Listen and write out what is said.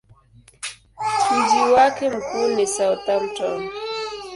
Mji wake mkuu ni Southampton.